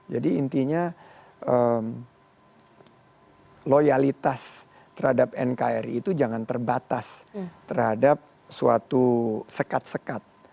jadi intinya loyalitas terhadap nkri itu jangan terbatas terhadap suatu sekat sekat